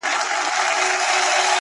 ته چیري تللی یې اشنا او زندګي چیري ده”